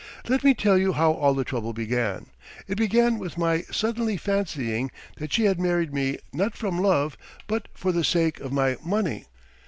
Let me tell you how all the trouble began. It began with my suddenly fancying that she had married me not from love, but for the sake of my money.